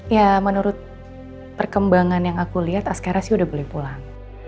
ya menurut perkembangan yang aku lihat askara sih udah boleh pulang